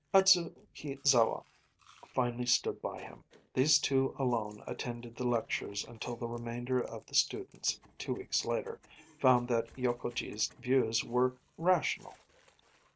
Adzukizawa finally stood by him. These two alone attended the lectures until the remainder of the students, two weeks later, found that Yokogi's views were rational.